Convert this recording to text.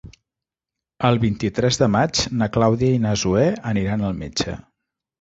El vint-i-tres de maig na Clàudia i na Zoè aniran al metge.